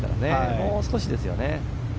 もう少しですよね。